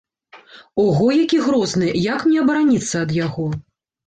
Ого, які грозны, як мне абараніцца ад яго?